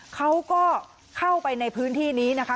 เขาก็เข้าไปในพื้นที่นี้นะคะ